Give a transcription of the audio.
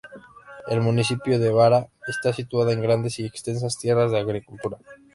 El municipio de Vara está situada en grandes y extensas tierras de agricultura.